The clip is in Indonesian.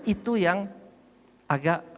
itu yang agak